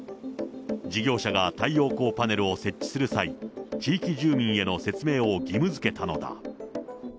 事業者が太陽光パネルを設置する際、地域住民への説明を義務づけたのだ。